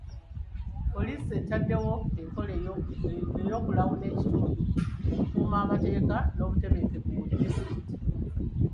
Poliisi etaddewo enkola y'okulawuna ekitundu okukuuma amateeka n'obutebenkevu mu disitulikiti.